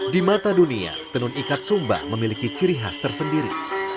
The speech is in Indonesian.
di mata dunia tenun ikat sumba memiliki ciri khas tersendiri